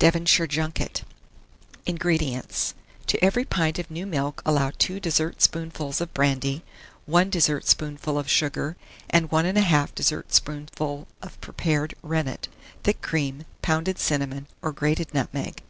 DEVONSHIRE JUNKET. 1631. INGREDIENTS. To every pint of new milk allow 2 dessertspoonfuls of brandy, 1 dessertspoonful of sugar, and 1 1/2 dessertspoonful of prepared rennet; thick cream, pounded cinnamon, or grated nutmeg.